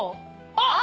あっ！